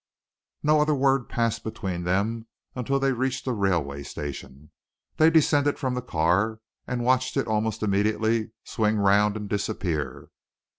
No other word passed between them until they reached the railway station. They descended from the car, and watched it almost immediately swing round and disappear.